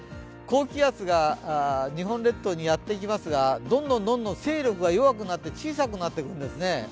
高気圧が日本列島にやってきますが、どんどん勢力が弱くなって小さくなっていくんですね。